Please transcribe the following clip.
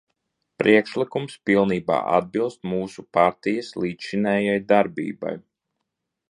Priekšlikums pilnībā atbilst mūsu partijas līdzšinējai darbībai.